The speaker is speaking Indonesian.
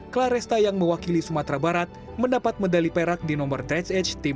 claresta yang mewakili sumatera barat mendapat medali perak di nomor dress age tim u dua puluh satu